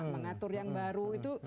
mengatur yang baru itu